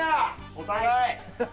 お互い。